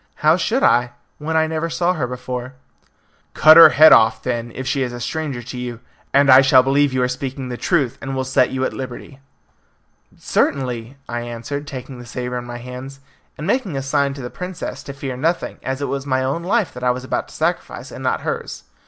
"How should I, when I never saw her before?" "Cut her head off," then, "if she is a stranger to you, and I shall believe you are speaking the truth, and will set you at liberty." "Certainly," I answered, taking the sabre in my hands, and making a sign to the princess to fear nothing, as it was my own life that I was about to sacrifice, and not hers.